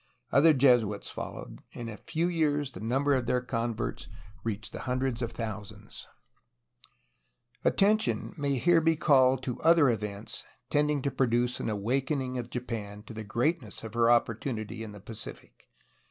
Other Jesuits followed, and in a few years the number of their converts reached hundreds of thousands. THE JAPANESE OPPORTUNITY IN THE PACIFIC 33 Attention may here be called to other events tending to produce an awakening of Japan to the greatness of her op portunity in the Pacific.